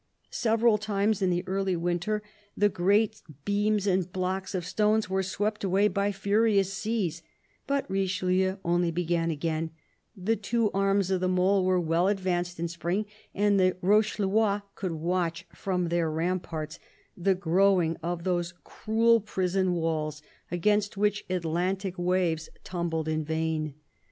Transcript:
Several times, in the early winter, the great beams and blocks of stone were swept away by furious seas, but Richelieu only began again : the two arms of the mole were well advanced in spring, and the Rochellois could watch from their ram parts the growing of those cruel prison walls against which Atlantic waves tumbled in vain.